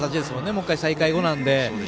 もう１回、再開後なので。